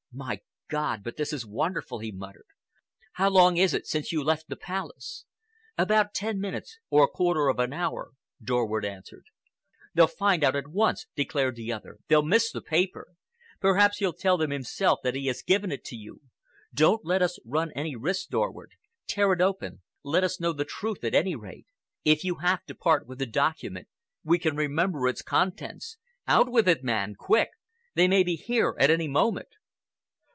"My God, but this is wonderful!" he muttered. "How long is it since you left the Palace?" "About ten minutes or a quarter of an hour," Dorward answered. "They'll find it out at once," declared the other. "They'll miss the paper. Perhaps he'll tell them himself that he has given it to you. Don't let us run any risks, Dorward. Tear it open. Let us know the truth, at any rate. If you have to part with the document, we can remember its contents. Out with it, man, quick! They may be here at any moment."